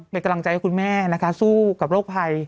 เป็นกำลังใจให้คุณแม่นะคะสู้กับโรคภัย